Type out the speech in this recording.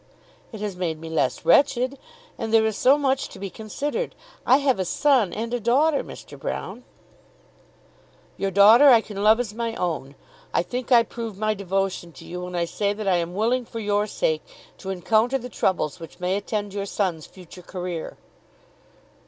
"It has made me less wretched. And there is so much to be considered! I have a son and a daughter, Mr. Broune." "Your daughter I can love as my own. I think I prove my devotion to you when I say that I am willing for your sake to encounter the troubles which may attend your son's future career."